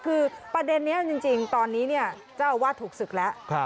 คือประเด็นนี้จริงตอนนี้เจ้าอาวาสถูกศึกแล้ว